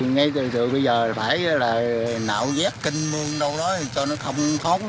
ngay từ bây giờ phải là nạo vét kinh mương đâu đó cho nó thông thống